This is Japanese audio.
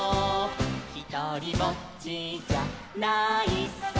「ひとりぼっちじゃないさ」